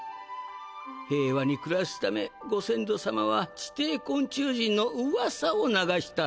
平和にくらすためごせんぞ様は地底昆虫人のうわさを流した。